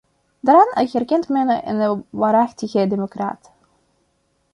Daaraan herkent men een waarachtig democraat.